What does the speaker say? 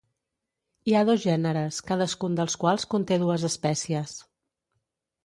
Hi ha dos gèneres, cadascun dels quals conté dues espècies.